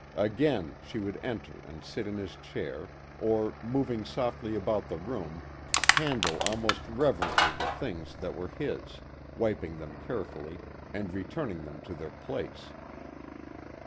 Again she would enter and sit in his chair, or moving softly about the room, handle almost reverently the things that were his, wiping them carefully and returning them to their place.